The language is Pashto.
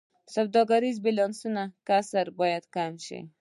د سوداګریز بیلانس کسر باید کم شي